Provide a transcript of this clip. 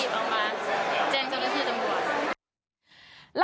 สอนทาอยู่ในร้องน่ามนะคะ